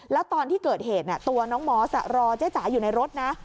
แล้วตอนที่เกิดเหตุตัวน้องมอสรอเจ๊จ๋าอยู่ในรถนะ